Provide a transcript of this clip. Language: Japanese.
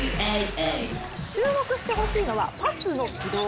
注目してほしいのは、パスの軌道。